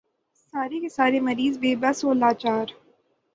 سارے کے سارے مریض بے بس و لاچار۔